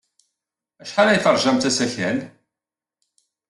Acḥal ay teṛjamt asakal?